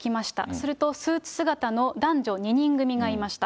すると、スーツ姿の男女２人組がいました。